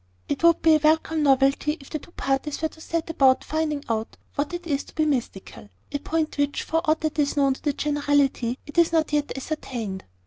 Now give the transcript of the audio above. It would be a welcome novelty if the two parties were to set about finding out what it is to be mystical, a point which, for aught that is known to the generality, is not yet ascertained.